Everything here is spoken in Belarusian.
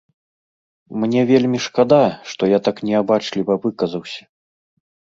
Мне вельмі шкада, што я так неабачліва выказаўся.